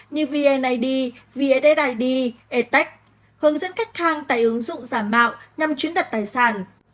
như vnid vsdid etec hướng dẫn khách hàng tại ứng dụng giả mạo nhằm chuyển đặt tài sản